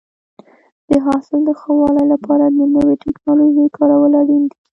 د حاصل د ښه والي لپاره د نوې ټکنالوژۍ کارول اړین دي.